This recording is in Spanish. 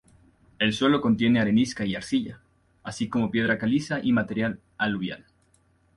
El suelo contiene arenisca y arcilla, así como piedra caliza y material aluvial.